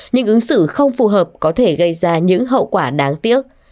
nhưng ứng xử không phù hợp có thể gây ra những hậu quả đáng tiếc